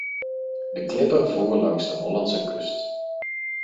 De klipper voer langs de Hollandse kust.